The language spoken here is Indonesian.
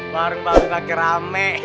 baru baru lagi rame